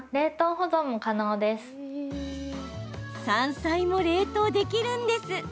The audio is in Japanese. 山菜も冷凍できるんです！